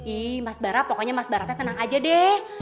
ih mas bara pokoknya mas baratnya tenang aja deh